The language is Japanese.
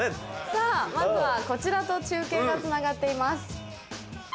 さぁまずはこちらと中継がつながっています。